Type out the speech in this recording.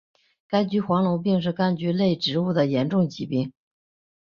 柑橘黄龙病是柑橘类植物的严重疾病。